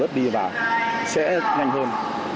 bớt đi và sẽ nhanh hơn